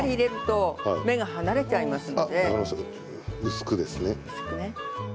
薄くですね。